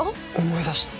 思い出した